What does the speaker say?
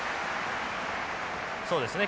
そうですね